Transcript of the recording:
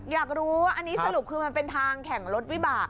อยากรู้ว่าอันนี้สรุปคือมันเป็นทางแข่งรถวิบาก